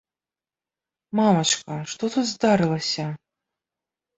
Мамачка, што тут здарылася?